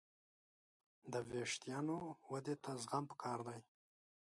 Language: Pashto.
د وېښتیانو ودې ته زغم پکار دی.